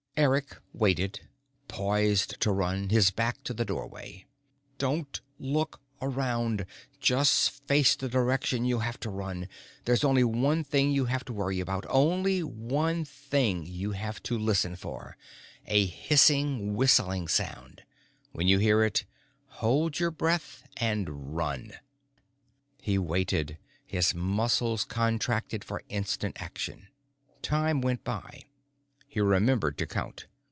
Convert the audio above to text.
_ Eric waited, poised to run, his back to the doorway. _Don't look around just face the direction you'll have to run. There's only one thing you have to worry about, only one thing you have to listen for. A hissing, whistling sound. When you hear it, hold your breath and run._ He waited, his muscles contracted for instant action. Time went by. He remembered to count.